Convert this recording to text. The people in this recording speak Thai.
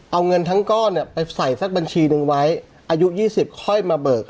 เอาเงินทั้งก้อนเนี่ยไปใส่สักบัญชีหนึ่งไว้อายุ๒๐ค่อยมาเบิก